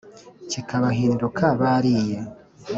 Kikabahinduka bariye.